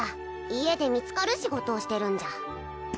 家で見つかる仕事をしてるんじゃ